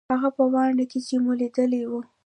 هغه په واڼه کښې چې مو ليدلي وو.